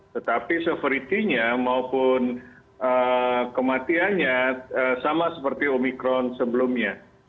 tetapi severity nya maupun kematiannya sama seperti omikron sebelumnya